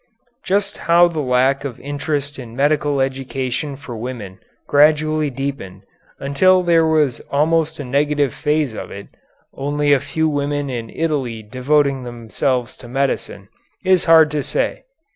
Just how the lack of interest in medical education for women gradually deepened, until there was almost a negative phase of it, only a few women in Italy devoting themselves to medicine, is hard to say.